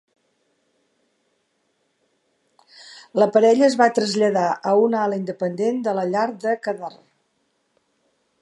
La parella es va traslladar a una ala independent de la llar de Khadr.